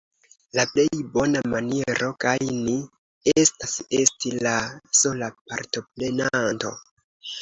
La plej bona maniero gajni estas esti la sola partoprenanto.